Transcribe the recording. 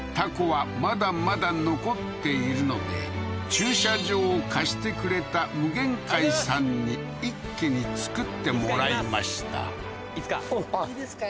タコはまだまだ残っているので駐車場を貸してくれた夢幻海さんに一気に作ってもらいましたいいですか？